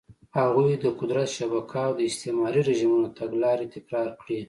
هغوی د قدرت شبکه او د استعماري رژیمونو تګلارې تکرار کړې.